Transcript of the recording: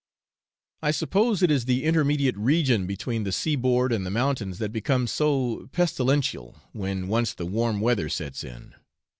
I suppose it is the intermediate region between the sea board and the mountains that becomes so pestilential when once the warm weather sets in.